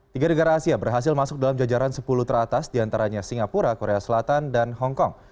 tiga negara asia berhasil masuk dalam jajaran sepuluh teratas diantaranya singapura korea selatan dan hongkong